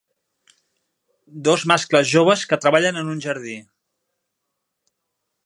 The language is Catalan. Dos mascles joves que treballen en un jardí.